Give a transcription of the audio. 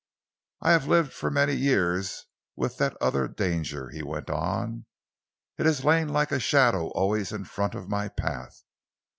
"I have lived for many years with that other danger," he went on. "It has lain like a shadow always in front of my path.